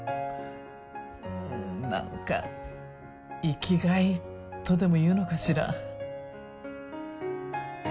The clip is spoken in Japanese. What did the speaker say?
うん何か生きがいとでもいうのかしら。